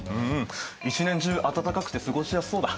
一年中暖かくて過ごしやすそうだ。